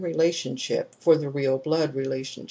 relationship for the real blood relationship.